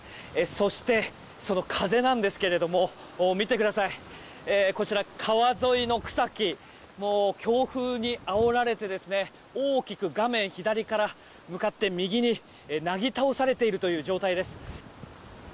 そして風なんですけれども見てください、川沿いの草木がもう強風にあおられて大きく画面、左から向かって右になぎ倒されているという状態です。